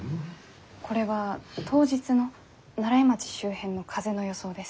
これは当日の西風町周辺の風の予想です。